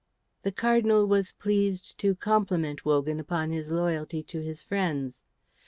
The Cardinal was pleased to compliment Wogan upon his loyalty to his friends.